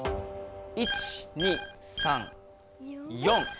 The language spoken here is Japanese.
１２３４。